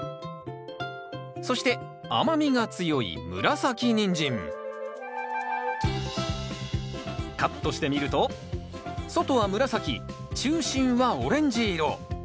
そして甘みが強いカットしてみると外は紫中心はオレンジ色。